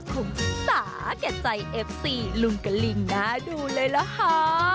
คงสาเกิดใจเอฟซีลุ้นกระลิ่งหน้าดูเลยล่ะฮะ